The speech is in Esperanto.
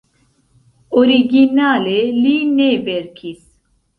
Originale li ne verkis.